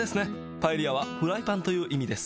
パエリアはフライパンという意味です。